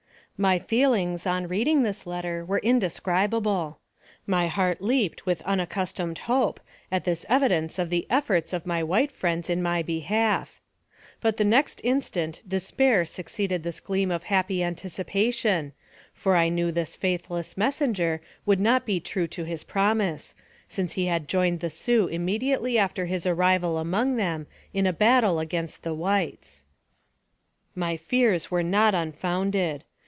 My feelings, on reading this letter, were indescrib 130 NARRATIVE OF CAPTIVJTY able. My heart leaped with unaccustomed hope, at this evidence of the efforts of my white friends in my behalf; but the next instant despair succeeded this gleam of happy anticipation, for I knew this faithless messenger would not be true to his promise, since he had joined the Sioux immediately after his arrival among them, in a battle against the whites. My fears were not unfounded.